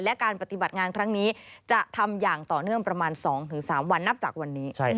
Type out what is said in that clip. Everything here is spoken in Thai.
และการปฏิบัติงานครั้งนี้จะทำอย่างต่อเนื่องประมาณ๒๓วันนับจากวันนี้